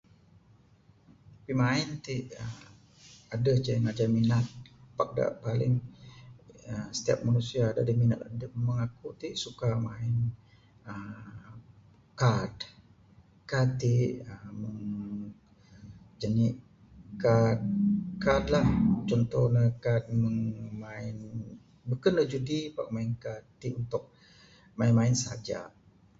Pimain ti adeh ceh ngajah minat pak dak paling uhh setiap manusia dak adeh minat adep meng aku ti suka main uhh kad, kad ti uhh jani kad, kad lah contoh ne kad meng main beken ne judi pak main kad ti untuk main-main saja